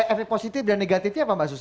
efek positif dan negatifnya apa mbak susi